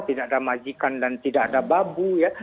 tidak ada majikan dan tidak ada babu ya